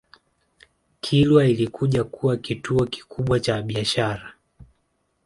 Kilwa ilikuja kuwa kituo kikubwa cha biashara